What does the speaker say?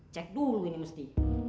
cek dulu ini mesti